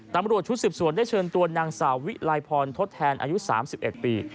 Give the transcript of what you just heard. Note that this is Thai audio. ตามรวจชุดสิบสวนได้เชิญตัวนางสาวิไลพรทดแทนอายุสามสิบเอ็ดปี